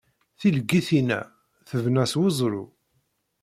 Tileggit-inna tebna s weẓru.